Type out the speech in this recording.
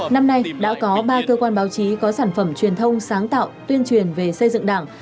năm nay đã có ba cơ quan báo chí có sản phẩm truyền thông sáng tạo tuyên truyền về xây dựng đảng